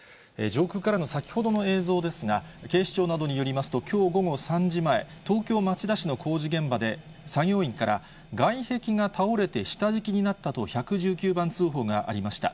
上空からの先ほどの映像ですが、警視庁などによりますと、きょう午後３時前、東京・町田市の工事現場で、作業員から、外壁が倒れて下敷きになったと１１９番通報がありました。